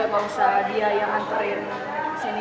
nggak usah dia yang anterin ke sini